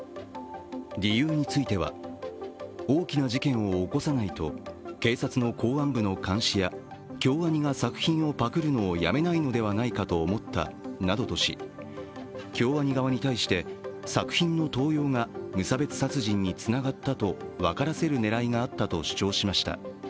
理由については、大きな事件を起こさないと警察の公安部の監視や京アニが作品をパクるのをやめないのではないかと思ったなどとし、京アニ側に対して作品の盗用が無差別殺人につながったと分からせる狙いがあったと主張しました。